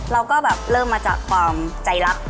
เราก็แบบเริ่มมาจากความใจรัก